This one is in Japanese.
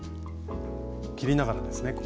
切りながらですねここ。